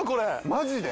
マジで？